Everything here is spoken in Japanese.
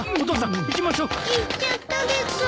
行っちゃったです。